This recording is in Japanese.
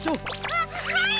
あっはい！